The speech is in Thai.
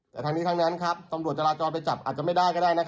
แต่ทั้งนี้ทั้งนั้นตำรวจจราจรไปจับอาจจะไม่ได้ก็ได้